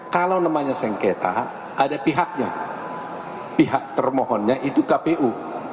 kalau namanya sengketa ada pihaknya pihak termohonnya itu kpu